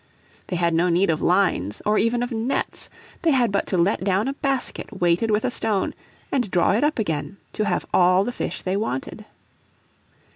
They had no need of lines or even of nets. They had but to let down a basket weighted with a stone and draw it up again to have all the fish they wanted.